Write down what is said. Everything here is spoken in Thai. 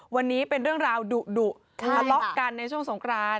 วันนี้เป็นเรื่องราวดุทะเลาะกันในช่วงสงคราน